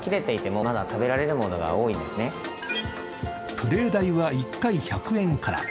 プレイ代は１回１００円から。